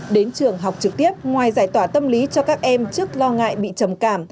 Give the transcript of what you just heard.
đến trường học trực tiếp ngoài giải tỏa tâm lý cho các em trước lo ngại bị trầm cảm